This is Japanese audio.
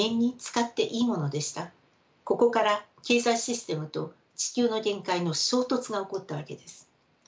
ここから経済システムと地球の限界の衝突が起こったわけです。